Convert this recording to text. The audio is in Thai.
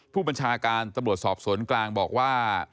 ผู้บัญชาการตำรวจสอบสวนกลางบอกว่า